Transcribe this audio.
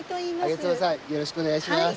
揚妻さんよろしくお願いします。